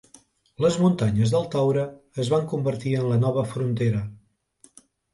Les Muntanyes del Taure es van convertir en la nova frontera.